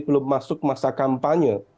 belum masuk masa kampanye